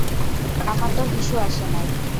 আমা তো হিসু আসে নাই।